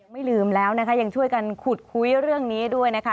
ไม่ลืมแล้วได้ยังช่วยกันกุยเรื่องนี้ด้วยนะคะ